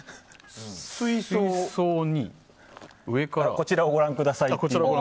こちら、ご覧ください。